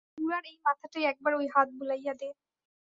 বুড়ার এই মাথাটায় একবার ওই হাত বুলাইয়া দে।